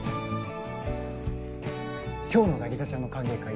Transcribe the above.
今日の凪沙ちゃんの歓迎会